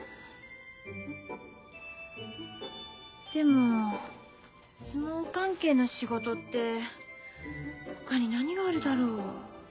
でも相撲関係の仕事ってほかに何があるだろう？